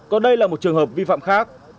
còn đây là một trường hợp vi phạm khác